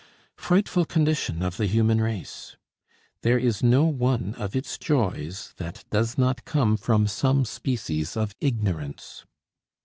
Frightful condition of the human race! there is no one of its joys that does not come from some species of ignorance.